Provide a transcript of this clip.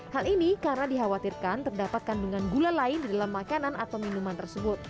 hal ini karena dikhawatirkan terdapat kandungan gula lain di dalam makanan atau minuman tersebut